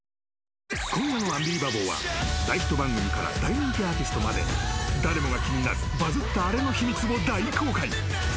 今夜の「アンビリバボー」は大ヒット番組から大人気アーティストまで誰もが気になるバズったあれの秘密を大公開。